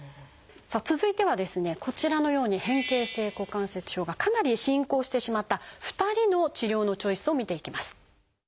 さあ続いてはですねこちらのように変形性股関節症がかなり進行してしまった２人の治療のチョイスを見ていきます。